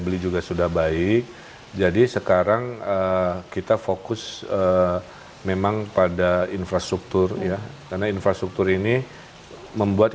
beli juga sudah baik jadi sekarang kita fokus memang pada infrastruktur ya karena infrastruktur ini membuat